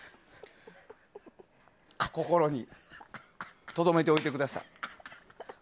心にとどめておいてください。